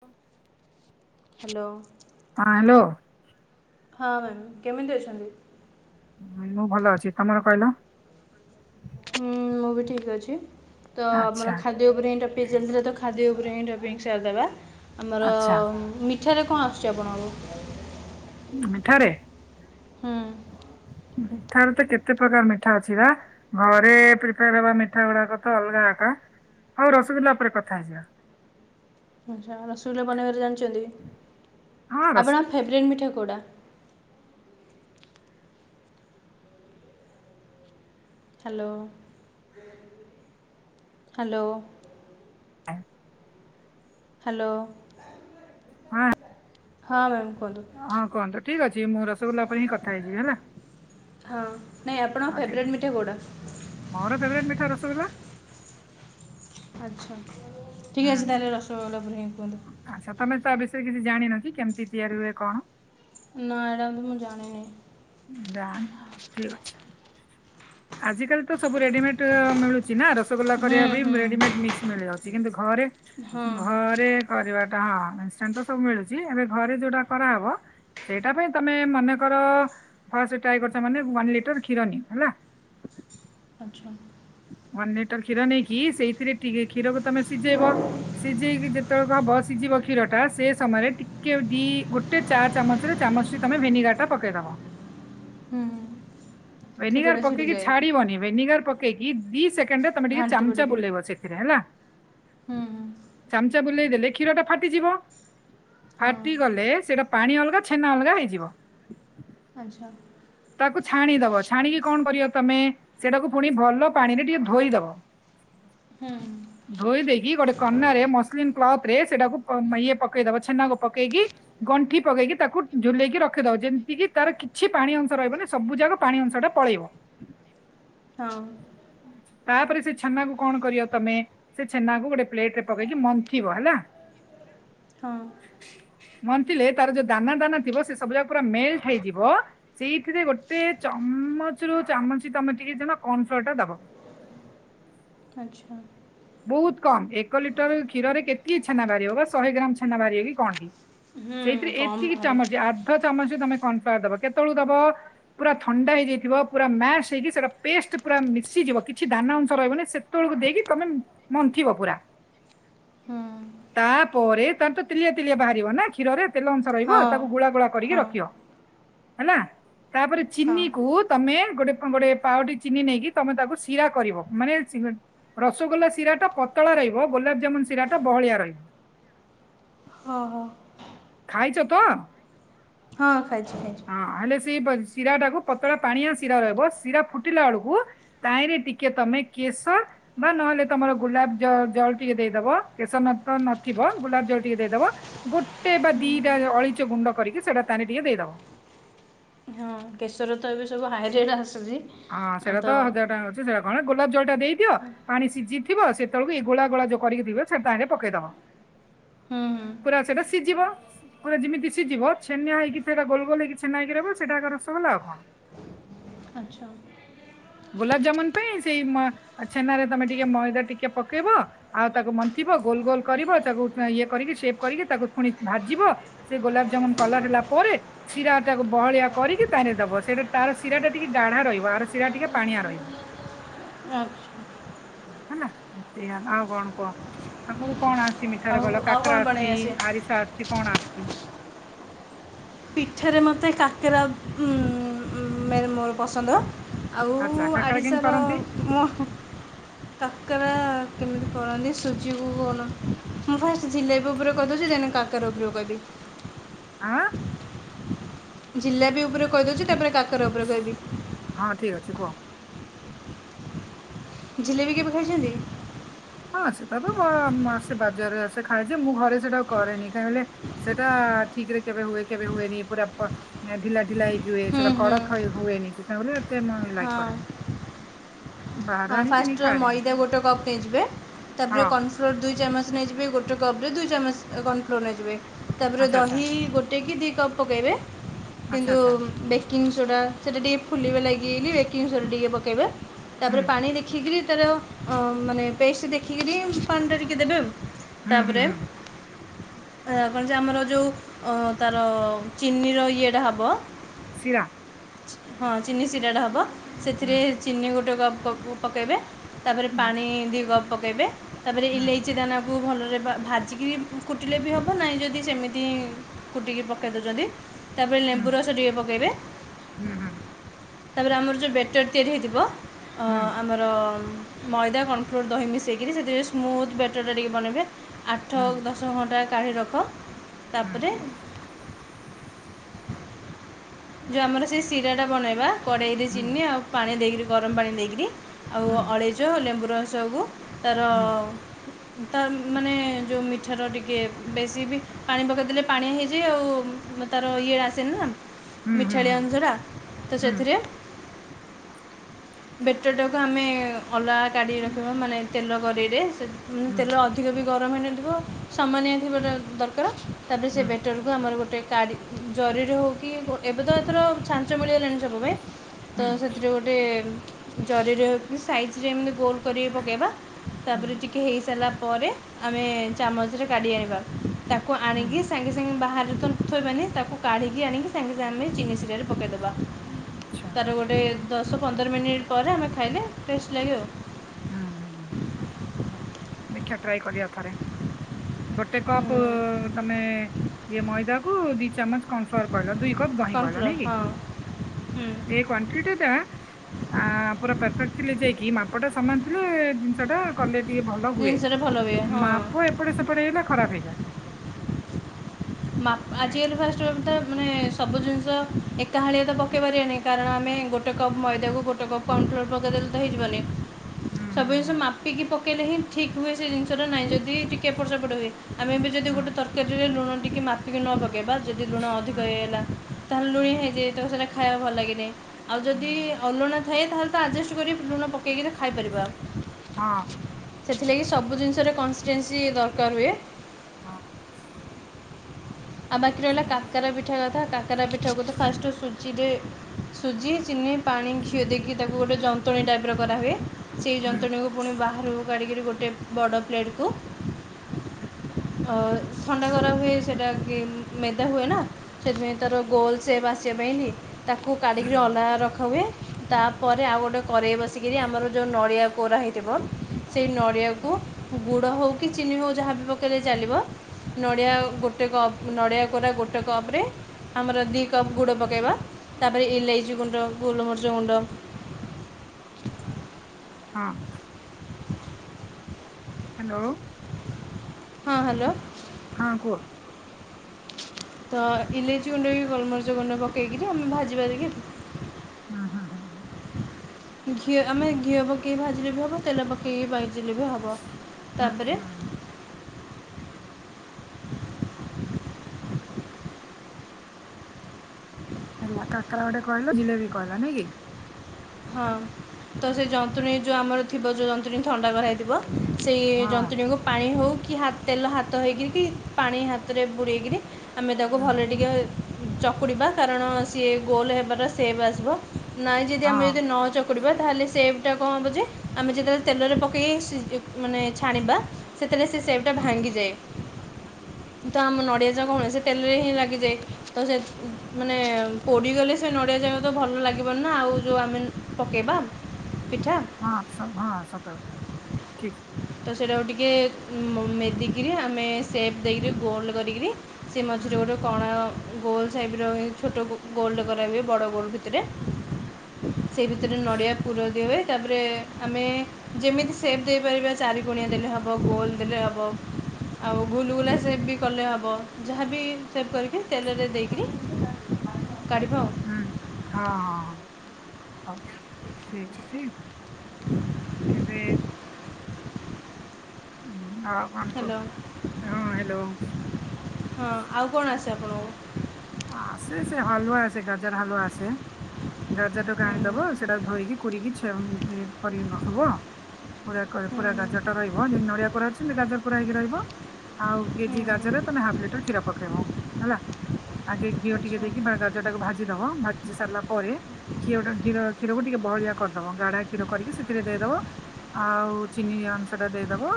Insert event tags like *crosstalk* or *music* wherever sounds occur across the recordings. ହଁ hello. Hello. ହଁ ma'am କେମିତି ଅଛନ୍ତି। ମୁଁ ଭଲ ଅଛି ତମର କହିଲ। ହୁଁ ମୁଁ ବି ଠିକ ଅଛି। ତ ଆମର ଆଚ୍ଛା ଖାଦ୍ୟ ଉପରେ ହିଁ ଟପିକ ଚାଲିଥିଲା ତ ଖା ସେଇ ଉପରେ ଟପିକ୍ ସାରିଦବା। ଆମର ଆଚ୍ଛା ମିଠାରେ କଣ ଆସୁଛି ଆପଣଙ୍କୁ। ମିଠାରେ ହୁଁ। ମିଠାରେ ତ କେତେ ପ୍ରକାର ମିଠା ଅଛି ବା ଘରେ ପ୍ରିପେୟାର ହେବା ମିଠା ଗୁଡାକ ତ ଅଲଗା ଏକା ଆଉ ରସଗୋଲ୍ଲା ଉପରେ କଥା ହେଇଯିବା। ଆଛା ରସଗୋଲା ବନେଇବା ଜାଣିଛନ୍ତି। ହଁ ଜାଣିଛନ୍ତି ରସ ଆପଣଙ୍କ ଫେଭରାର୍ଇଟ ମିଠା କଣ। କୋଉଟା। Hello hello. ହଁ। ହ୍ୟାଲୋ। ହଁ ହଁ ମ୍ୟାମ୍ କୁହନ୍ତୁ। ହଁ କୁହନ୍ତୁ ଠିକ ଅଛି ମୁଁ ରସଗୋଲ୍ଲା ଉପରେ ହିଁ କଥା ହେଇଯିବି ହେଲା ହଁ ନାଇଁ ଆପଣଙ୍କ ହଁ ଫେବରେଟ୍ ଠିକ ମିଠା କୋଉଟା? ମୋର ଫେଭରାଇଟ ମିଠା ରସଗୋଲା। ଆଚ୍ଛା। ଠିକ ଅଛି ହୁଁ ତାହେଲେ ରସଗୋଲା ଉପରେ ହିଁ କୁହନ୍ତୁ। ଆଚ୍ଛା ତମେ ତା ବିଷୟରେ କିଛି ଜାଣିନକି କେମିତି ତିଆରି ହୁଏ କଣ। ନା ଏଇଟା ମୁ ଜାଣିନି। ଠିକ ଅଛି *unintelligible* ଆଜିକାଲି ତ ସବୁ ରେଡିମେଡ ମିଳୁଛି। ରସୋଗୋଲା କରିବା ହୁଁ ହୁଁ ରେଡିମେଡ ମିକସି ମିଳି ଯାଉଛି କିନ୍ତୁ ଘରେ ହଁ ଘରେରେ କରିବା ହଁ ଇନଷ୍ଟାଣ୍ଟ୍ ତ ସବୁ ମିଳୁଛି ଏବେ ଘରେ ଯୋଉଟା କରାହେବ ସେଇଟା ପାଇଁ ତମେ ମନେକର ଫାଷ୍ଟ୍ ଟ୍ରାଇ କରୁଛ ମାନେ ୱାନ୍ ଲିଟର କ୍ଷୀର ନିଅ ହେଲା ଆଛା। ୱାନ୍ ଲିଟର କ୍ଷୀର ନେଇକି ସେଇଥିରେ ଟିକେ କ୍ଷୀରକୁ ତମେ ସିଝେଇବ ସିଝେଇକି ଯେତେବେଳ ହବ ସିଝିବ କ୍ଷୀର ଟା ସେ ସମୟରେ ଟିକେ ଦି ଗୋଟେ ଚା ଚାମଚରେ ଚାମଚଟେ ତମେ ଭେନେଗାର ଟା ପକେଇଦବ। ହୁଁ ହୁଁ ଭେନିଗାର କ୍ଷୀରଟା ପକେଇକି ଛିଡ଼ିଯାଏ ଛାଡିବନି ଭେନିଗାର ପକେଇ ପକେଇକି ଦି ସେକଣ୍ଡ ସେକଣ୍ଡରେ ତମେ ଟିକେ ଚାମଚା ବୁଲେଇବ ସେଥିରେ ହେଲା ହୁଁ। ବୁଲେଇଦେଲେ କ୍ଷୀର ଟା ଫାଟିଯିବ। ହଁ ଫାଟିଗଲେ ସେଇଟା ପାଣି ଅଲଗା ଛେନା ଅଲଗା ହେଇଯିବ। ଆଚ୍ଛା। ତାକୁ ଛାଣିଦବ ଛାଣିକି କଣ କରିବ ତମେ ସେଇଟାକୁ ପୁଣି ଭଲ ପାଣିରେ ଟିକେ ଧୋଇଦବ। ହୁଁ। କି ଗୋଟେ କନାରେ ମସ୍ଲିମ୍ କପ୍ ରେ ସେଇଟାକୁ ଇଏ ପକେଇ ଦବା ଛେନା ପକେଇକି ଗଣ୍ଠି ପକେଇକି ତାକୁ ଝୁଲେଇକି ରଖିଦବ ଯେମିତିି ତାର କିଛି ପାଣି ଅଂଶ ରହିବନି ସବୁ ଯାଙ୍କ ପାଣି ଅଂଶ ଟା ପଳେଇବ। ହଁ। ତାପରେ ସେ ଛେନାକୁ କଣ କରିବ ତମେ ସେ ଛେନାକୁ ଗୋଟେ ପ୍ଲେଟ ରେ ପକେଇକି ମନ୍ଥିବ ହେଲା। ହଁ। ମନ୍ଥିଲେ ତାର ଯୋଉ ଦାନା ଦାନା ଥିବ ସେ ସବୁ ଯାକ ପୁରା ମେଲଟ୍ ହେଇଯିବ ସେଇଥିରେ ଗୋଟେ ଚାମଚର ଚାମଚି ତମେ ଟିକେ ଜମା କର୍ଣଫ୍ଲର ଟା ଦବ। ଆଚ୍ଛା। ବହୁତ କମ୍ ଏକ ଲିଟର କ୍ଷୀରରେ କେତକ ଛେନା ବାହାରିବ ବା ଶହେ ଗ୍ରାମ ଛେନା ବାହାରିବ କି କଣ କି । ସେଇଥିରେ ହୁଁ କମ୍ ଏତିକି ବାହାରେ ଚାମଚ ଅଧ ଚାମଚ ତମେ କର୍ଣ୍ଣଫର୍ ଦବ କେତେବେଳକୁ ଦବ ପୁରା ଥଣ୍ଡା ହେଇଯାଇଥିବ ପୁରା ମାସ ହେଇକି ସେଟା ପେଷ୍ଟ ପୁରା ମିଶିଯିବ କିଛି ଦାନା ଅଂଶ ରହିବନି ସେତେବେଳକୁ ଦେଇକି ତମେ ମନ୍ଥିବ ପୁରା ହୁଁ ତାପରେ ତାର ତ ତିଲିଆ ତିଲିଆ ବାହାରିବ ନା କ୍ଷୀରରେ। ତେଲ ଅଂଶ ରହିବ ହଁ ତାକୁ ଗୁଳା ଗୁଳା କରିକି ହଁ ରଖିବ। ହେଲା? ତାପରେ ହଁ ଚିନି କୁ ତମେ ଗୋଟେ ଗୋଟେ ପାଓ ଚିନି ନେଇକି ତମେ ତାକୁ ସିରା କରିବ ମାନେ ଅଛି ରସଗୋଲା କ୍ଷୀରଟା ପତଳା ରହିବ ଗୋଲାପଜାମୁନ୍ ଶିରାଟା ବହଳିଆ ରହିବ। ହଁ ହଁ ଖାଇଛ ତ? ହଁ। ଖାଇଚି ଖାଇଚି। ସେ ଶିରାଟାକୁ ପତଳା ପାଣିଆ ଶିରା ରହିବ ଶିରା ଫୁଟିଲା ଏଳକୁ ତାହିଁରେ ଟିକେ ତମେ କେଶର ବା ନହେଲେ ତମର ଗୁଲାପ ଜ ଜଳ ଟିକେ ଦେଇଦବ କେଶର ନ ତ ନଥିବ ଗୁଲାପ ଜଳ ଟିକେ ଦେଇଦବ ଗୋଟେ ବା ଦିଟା ଅଳିଚ ଗୁଣ୍ଡ କରିକି ସେଇଟା ତାରେ ଟିକେ ଦେଇଦବ। ହଁ କେଶର ତ ଏବେ ସବୁ ହାଇ ରେଟ୍। ଆସୁଛି ହଁ ସେଇଟା ତ ହଜାର ଟଙ୍କା ଅଛି ସେଇଟା କଣ ଗୋଲାପ ଜଳ *unintelligible* ଟା ଦେଇଦିଅ ପାଣି ସିଝିଥିବ ସେତେବେଳକୁ ଏଇ ଗୋଳା ଗୋଳା ଯୋଉ କରିକି ଥିବ ସେ ପାଣି ରେ ପକେଇଦବ ହୁଁ ହୁଁ ପୁରା ସେଇଟା ସିଝିବ ପୁରା ଯେମିତି ସିଝିବ ଛେନା ହେଇକି ସେଟା ଗୋଲ ଗୋଲ ହେଇକି ଛେନା ହେଇକି ରହିବ ସେଇଟା ଏକ ରସଗୋଲା ଆଉ କଣ। ଆଚ୍ଛା ଗୋଲାପଜାମୁନ ପାଇଁ ସେଇ ମ ଛେନାରେ ତମେ ଟିକେ ମଇଦା ଟିକେ ପକେଇବ ଆଉ ତାକୁ ମନ୍ଥିବ ଗୋଲ ଗୋଲ କରିବ ତାକୁ ଇଏ କରିକି ସେପ୍ କରିକି ତାକୁ ପୁଣି ଭାଜିବ ସେ ଗୋଲାପଜାମୁନ କଲର ହେଲା ପରେ ଶିରା ଟାକୁ ବହଳିଆ କରିକି ତାରେ ଦବ ସେଇଟା ତାର ଶିରା ଟା ଟିକେ ଗାଢା ରହିବ ଆ ଶିରା ଟିକେ ପାଣିଆ ରହିବ ଆଚ୍ଛା ହେଲା ଏୟା ଆଉ କଣ କୁହ ଆମକୁ କଣ ଆସିଛି ମିଠାରେ ଆଉ କହିଲ ଆଉ କାକରା କ'ଣ ବନେଇ ଆସିଛି ଆସେ ଆରିସା ଆସିଛି କଣ ଆସିଛି। *inaudible* ପିଠାରେ ମୋତେ କାକେରା ଉଁ ଉଁ ଉଁ ମୁଁ ମୋର ପସନ୍ଦ। ଆଉ ଆଚ୍ଛା କାକରା କେମିତି ଆଡ଼ିଶାର କରନ୍ତି ଅ ମ ହଁ। କାକରା କେମିତି କରନ୍ତି ସୁଜିକୁ କଣ ମୁଁ ଫାଷ୍ଟ୍ ଜିଲେପି ଉପରେ କହି ଦଉଛି ଦେନ୍ କାକର ଉପରୁ କହିବି। ଆଁ। ଜିଲାପି ଉପରେ କହିଦଉଛି ତାପରେ କାକରା ଉପରେ କହିବି । ହଁ ଠିକ ଅଛି କୁହ। ଜିଲେବି କେବେ ଖାଇଛନ୍ତି? ହଁ ସେଇଟା ତ ମ ଆସେ ବାଜାରରେ ଆସେ ଖାଏ ଯେ ମୁଁ ଘରେ ସେଟା କରେନି କାହିଁକି କହିଲେ ସେଇଟା ଠିକରେ କେବେ ହୁଏ କେବେ ହୁଏନି ପୁରା ପ ଢିଲା ଢିଲା ହେଇକି ହୁଏ ହୁଁ ସେଇଟା ହୁଁ କଡକ ହୁଏନି ସେଥିପାଇଁ ବୋଲେ ତେବେ ମୁଁ ଆଉ ଲାଇକ୍ ହଁ କରେନି। ବାହାରୁ ଆଣି କିଣି ଫାଷ୍ଟ ଖାଏ ମଇଦା ଗୋଟେ କପ ନେଇଯିବେ ତାପରେ ହଁ କର୍ନଫ୍ଲୋର ଦୁଇ ଚାମଚ ନେଇଯିବେ ଗୋଟେ କପ ରେ ଦୁଇ ଚାମଚ କର୍ନଫ୍ଲୋର ନେଇଯିବେ ତାପରେ ଆଚ୍ଛା ଆଚ୍ଛା ଦହି ଗୋଟେ କି ଦି ତ ପକେଇବେ। ଆଚ୍ଛା କିନ୍ତୁ ଆଚ୍ଛା ବେ ବେକିଙ୍ଗ ସୋଡ଼ା ସେଟା ଟିକଏ ଫୁଲିବା ଲାଗି ବେକିଙ୍ଗ ସୋଡ଼ା ଟିକେ ପକାଇବେ। ହୁଁ। ଦେଖିକିରି ତାର ମାନେ ପେଷ୍ଟ ଦେଖି ଖିରି ପାଣିଟା ଟିକେ ଦେବେ ଆଉ ହୁଁ ହୁଁ ତାପରେ ହୁଁ ଅ- କଣ ଯେ ଆମର ଯୋଉ ଅ ତାର ଚିନିର ଇଏଟା ହବ ସିରା ହଁ। ଚିନି ସିରାଟା ହବ। ହୁଁ ସେଥିରେ ଚିନି ଗୋଟେ କପ୍ କୁ ପକେଇବେ। ତାପରେ ହୁଁ ପାଣି ଦି କପ୍ ପକ୍ କେବେ? ତାପରେ ହୁଁ ଇଲେଇଚି ହୁଁ ଦାନାକୁ ଭଲରେ ବା ଭାଜିକିରି କୁଟିଲେ ବି ହବ ନାହିଁ ଯଦି ସେମିତି କୁଟିକି ପକାଇ ଦେଉଛନ୍ତି। ତାପରେ ହୁଁ ଲେମ୍ବୁ ରସ ଟିକେ ପକେଇବେ। ହୁଁ ତା ପରେ ଆମର ଯଉଁ ବ୍ୟାଟର ତିଆରି ହୋଇଥିବ ହଁ ହୁଁ ଆମର ମଇଦା କର୍ଣ୍ଣଫ୍ଲୋର୍ ଦହି ମିସେଇକିରି ସେଥିରେ ସ୍ମୁଦ୍ ବ୍ୟାଟର ଟା ଟିକେ ବନେଇବେ ଆଚ୍ଛା ଆଠ ଦଶ ଘଣ୍ଟା କାଢ଼ି ରଖ ତାପରେ ଯୋଉ ଆମର ସେଇ ଶିରା ଟା ବନେଇବ କଢେଇ ରେ ଚିନି ଆଉ ପାଣି ଦେଇକିରି ଗରମ ପାଣି ନେଇକିରି ଆଉ ଅଳେଇଚ ଲେମ୍ବୁ ରଶକୁ ତାର ତ ମାନେ ଯୋଉ ଏଠାର ଟିକେ ବେଶୀ ବି ପାଣି ପକାଇ ଦେଲେ ପାଣିଆ ହେଇଯାଏ ।ଆଉ ତାର ଇଏ ଆସେନି ନା। ମିଠାଳିଆ ଅଂଶଟା ତ ସେଥିରେ ବେଟର ଟାକୁ ଆମେ ଅଲଗା କାଢ଼ି ରଖିବା ।ମାନେ ତେଲ ଗଡ଼େଇରେ ତେଲ ଅଧିକ ବି ଗରମ ହେଇନଥିବ ସାମାନ୍ ଏମତି ଗୋଟେ ଦରକାର ତାପରେ ସେ ବେଟର କୁ ଆମର ଗୋଟେ କାଡ଼ି ଜରିରେ ହେଉ କି ଏବେ ତ ଏଥର ଛାଞ୍ଚ ମିଳିଗଲାଣି ସବୁ ପାଇଁ ତ ସେଥିରେ ଗୋଟେ ଜରି ରେ ହଉ କି ସାଇଜ ରେ ଏମତି ଗୋଲ୍ କରିକି ପକେଇବା ।ତାପରେ ଟିକେ ହେଇସାରିଲା ପରେ ଆମେ ଚାମଚରେ କାଢ଼ି ଆଣିବା। ତାକୁ ଆଣିକି ସାଙ୍ଗେ ସାଙ୍ଗେ ବାହାର ସେମିତି ଆମେ ଥୋଇବାନି ।ତାକୁ କାଢ଼ିକି ଆଣିକି ସେମତି ଆମେ ଚିନିଶିରାରେ ପାକେଇଦବା। ତାର ଗୋଟେ ଦଶ ପନ୍ଦର ମିନିଟ ପରେ ଆମେ ଖାଇଲେ ଟେଷ୍ଟ ଲାଗେ ଆଉ। ହୁଁ ହଁ ଦେଖିବା ଟ୍ରାଏ କରିବା ଥରେ। ଗୋଟେ କପ୍ ତମେ ଇଏ ମଇଦା ଓ ଦି ଚାମଚ କର୍ନଫ୍ଲୋର ପଡ଼ିବ ଦୁଇ କପ୍ ଦହି କର୍ଣ୍ଣଫ୍ଲୋର୍ କହିଲନିକି ହଁ । ଏଇ କ୍ୱାଣ୍ଟିଟି ଟା ଆ ପୁରା ପରଫେକ୍ଟ ଥିଲେ ଯାଇକି ମାପଟା ସମାନ ଥିଲେ ଜିନିଷଟା କଲେ ଟିକେ ଭଲ ହୁଏ ଜିନିଷଟା ଭଲ ହୁଏ ହଁ ।ମାପ ଏପଟେ ସେପଟେ ହେଇଗଲେ ଖରାପ ହେଇଯାଏ। ମା ନାଇଁ ଆଜି ଏଇଟା। କାଲି ଫାର୍ଷ୍ଟ ଓଲଟା ମାନେ ସ ସବୁ ଜିନିଷ ଏକାହାଳିଆ ତ ପକେଇ ପାରିବାନି। କାରଣ ଆମେ ଗୋଟେ କପ୍ ମଇଦାକୁ ଗୋଟେ କପ୍ କଣ୍ଫ୍ଲୋର ପକାଇଦେଲେ ତ ହେଇଯିବନି। ହୁଁ ସବୁ ହୁଁ ଜିନିଷ ହୁଁ ମାପିକିି ପ କଲେ ଠିକ ହୁଏ ସେ ଜିନି ନାହିଁ ଯଦି ଟିକେ ପର୍ସାପଟ ହୁଏ ଆମେ ବି ଯଦି ହୁଁ ଗୋଟେ ତରକାରୀରେ ଲୁଣ ଟିକେ ମାପିକି ନ ଦ ଯଦି ଲୁଣ ଅଧିକ ହେଇଗଲା। ତାହେଲେ ହୁଁ ଲୁଣି ହୁଁ ହେଇଯାଇ ତ ସେଟା ଖା ଖାଇବା ଭଲ ଲାଗେନ। ଆଉ ଯଦି ହୁଁ ଅଲୁଣା ଥାଏ। ତା ହେେଲେ ତ ଆଡ଼ଜଷ୍ଟ କରି ଲୁଣ ପକାଇକିରି ଖାଇପାରିବା। ହଁ ସେଥିଲାଗି ସବୁ ଜିନିଷରେ କଣ ସିନସି ଦରକାର ହୁଏ। ହଁ ଆଉ ବାକି ରହିଲା କାକରା ପିଠା କଥା କାକରା ପିଠା କଥା ଫାଷ୍ଟ ସୁ ଚିଟରେ ସୁଜି ଚିନି ପାଣି ଘିଅ ଦେଇକି ତାକୁ ଗୋଟେ ଯନ୍ତଣୀ ଟାଇପର କରାହୁଏ। ସେଇ ଯନ୍ତ୍ରଣୀକୁ ପୁଣି ବାହାରେ। କାଢ଼ିକରି ଗୋଟେ ବଡ଼ ପ୍ଲେଟ୍ କୁ ଆଉ ଥଣ୍ଡାକରା ହୁଏ ସେଇଟା। କି ମେଦା ହୁଏ ନା ସେଥିପାଇଁ ତାର ଗୋଲ ସେପ୍ ଆସିବା ପାଇଁକି। ତାକୁ କାଢ଼ିକିରି ଅଲଗା ରଖାହୁଏ। ତାପରେ ଆଉ ଗୋଟେ କରେଇ ବସିକରି ଆମର ଯେଉଁ ନଡ଼ିଆ କୋରା ହୋଇଇଥିବ ସେଇ ନଡ଼ିଆକୁ ଗୁଡ଼ ହେଉ କି ଚିନି ହଉ ଯାହା ବିି ପକେଇ ଚାଲିବ ନଡ଼ିଆ ଗୋଟେ କପ୍। ନଡ଼ିଆ କୋରା ଗୋଟେ କପରେ ଆମର ଦୁଇ କପ୍ ଗୁଡ଼ ପକାଇବା ତାପରେ ଇଲେଇଚି ଗୁଣ୍ଡ ଗୋଲମରିଚ ଗୁଣ୍ଡ। ହଁ ହ୍ୟାଲୋ ହଁ ହ୍ୟାଲୋ ହଁ କୁହ। ତ ଇଲେଇଚି ଗୁଣ୍ଡ ଗଲମରିଚ ଗୁଣ୍ଡ ପକେଇକିରି ଆମେ ଭାଜି ପାରିବା। ହୁଁ ହୁଁ ହୁଁ ଘି ଘିଅ ଆମେ ଘିଅ ପକେଇ ଭାଜିଲେ ବି ହେବ ତେଲ ପକେ ଏଇ ବାଲ ହେବ ହୁଁ ହୁଁ ତାପରେ। ହୁଁ ହେଲା କାକରା ଗୋଟେ କହିଲ ଜିଲେବି କହିଲା ନାଇଁ କି। ହଁ ତ ସେ ଯନ୍ତୁଣୀ ଯୋଉ ଆମର। ଥିବ ଯେଉ ଯନ୍ତୁଣୀ ଥଣ୍ଡା କରାହେଇଥିବ। ସେଇ ହଁ ଯନ୍ତୁଣୀଙ୍କୁ ପାଣି ହଉ। କି ତେଲ ହାତ ହେଇକରି କି ପାଣି ହାତ। ବୁଡେଇକିରି ଆମେ ତାକୁ ହୁଁ ଭଲ ଟିକେ। ଚକୁଡ଼ିବା କାରଣ ସିଏ ଗୋଲ ହେବାର ସେଭ୍ ଆସିବ। ନାଇଁ ଯଦି ହଁ ଆମେ। ଚକୁଡିବା ତାହେଲେ ସେ। ସେଟା କଣ ହବ ଯେ ଆମେ ଯେତେବେଳେ। ତେଲରେ ପକେଇକ ମାନେ ଛାଣିବା ସେଥିରେ ସେ ସେଇଟା ଭାଙ୍ଗିଯାଏ। ହୁଁ ତ ଆମ ନଡ଼ିଆ ଯା କଣ ସେ ତେଲରେ ହିଁ ଲାଗିଯାଏ ତ ସେ ମାନେ ପୋଡିଗଲେ ସେ ନଡିଆ ଯାଗ ତ ଭଲ ଲାଗିବ ନା ଆଉ ଯୋଉ ଆମେ। ପକେଇବା ପିଠା। ହଁ ସ ହଁ ସତବେ ତ ସେଇଟାକୁ ଟିକେ। ମେଦିକିରି ଆମେ ସେପ୍ ଦେଇକରି ଗୋଲ୍ଡ଼ କରିକରି। ସେ ମଝିରୁରୁ ଗୋଟେ ହୁଁ କଣା। ଗୋଲ ସେଏପର ଛୋଟ ଗୋଲ୍ କରାହୁଏ। ବଡ଼ ଗୋଲ୍ ବି *inaudible* ସେଇ ଭିତରେ ନଡିଆ ପୁର ଦି ହଏ। ତା ପରେ। ଆମେ ଯେମିତି ସେ ସେପ୍ ଦେଇପାରିବା। ଚାରି କଣିଆ ଦେଲେ ହେବ। ଗୋଲ୍ ଦେଲେ ହେବ ହବ ଆଉ ଗୁଲଗୁଲା ସେଭ୍ ବି କଲେ ହବ। ଯାହାବି। ହୁଁ ହଁ କାଢ଼ିବ ଆଉ ହଁ। ହଉ ସେଠ *inaudible* ଏବେ। ହୁଁ। ହ୍ୟାଲୋ ହଁ ଆଉ କଣ ଆସ ଆପଣଙ୍କୁ। ଆସେ ସେ ହାଲୁଆ ଆସେ ଗାଜର ହାଲୁଆ ଆସେ। ଗାଜରଟାକୁ ହୁଁ ଆଣିଦବ ସେଟା ଧୋଇକି କରିକି *inaudible* ପୁରା ହୁଁ ଗାଜରଟା ରହିବ ଯେମିତି ନଡିଆ କୋରା ହଉଛି ସମିତି ଗାଜର କୋରା ହାଇକି ହେଇକି ରହିବ ।ଆଉ କେଜି ହୁଁ ଗାଜରରେ ତମେ ହାଫ୍ ଲିଟର କ୍ଷୀର ପକେଇବ ହେଲା। ଆଗେ ଘିଅ ଟିକେ ଆଚ୍ଛା ଦେଇକି ଗାଜର ଟାକୁ ଭାଜିଦବ। ଭାଜି ସାରିଲା ପରେିଅ କ୍ଷୀରକୁ ଟିକେ ବହଳିଆ କରିଦବ। ଗାଢା କ୍ଷୀର କରିକି ସେଥିରେ ଦେଇଦବା ଆଉ ଚିନି ଅଂଶ ଟା ଦେଇଦବା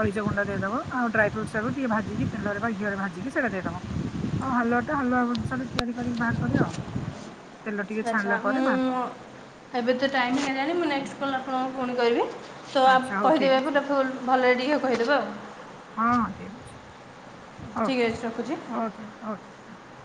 ଅଳିଚ ଗୁଣ୍ଡ ଦେଇଦ ଆଉ ଡ୍ରାଇ ଫ୍ରୁଟୁ ଟିକେ ଭାଜିକି ତେଲରେ ଘିଅରେ ଭାଜିକି ସେଇଟା ଦେଇଦ ହଉ ହଲୁଆ ଟା ହଲୁଆ ଅଂଷରେ ତିଆରି କରିକି ବାହାର କରିଆଉ। ଆଚ୍ଛା ମୁଁ ଏବେ ତ ଟାଇମ ହେଲାଣି ମୁଁ ନେକ୍ସଟ କଲ୍ ଆପଣଙ୍କୁ ପୁଣି କରିବି। ତ ଆଚ୍ଛା ହଉ ଠିକ୍ ଅଛି କହିଦେବେ *inaudible* ଭ ରେଡି କହିଦେବ ଆଉ । ହଁ ଠିକ ଠିକ୍ ରଖୁଛି ଅଛି। *inaudible*